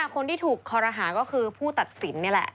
คนที่ถูกคอรหาก็คือผู้ตัดสินนี่แหละ